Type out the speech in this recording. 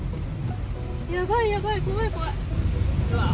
やばい、やばい、怖い、怖い。